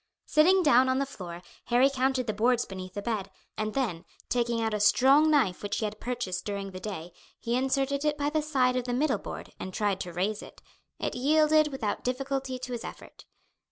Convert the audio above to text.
Sitting down on the floor Harry counted the boards beneath the bed, and then taking out a strong knife which he had purchased during the day he inserted it by the side of the middle board and tried to raise it. It yielded without difficulty to his effort.